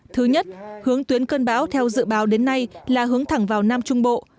thứ nhất hướng tuyến cân báo theo dự báo đến nay là hướng thẳng vào nam trung bộ